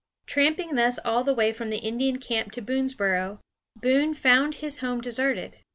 Tramping thus all the way from the Indian camp to Boonesboro, Boone found his home deserted.